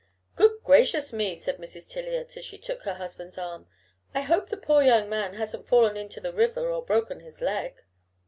"Good gracious me!" said Mrs. Tiliot, as she took her husband's arm, "I hope the poor young man hasn't fallen into the river or broken his leg."